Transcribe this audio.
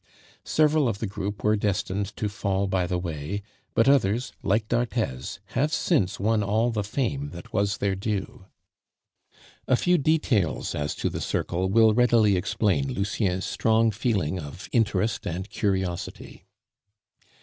Several of the group were destined to fall by the way; but others, like d'Arthez, have since won all the fame that was their due. A few details as to the circle will readily explain Lucien's strong feeling of interest and curiosity.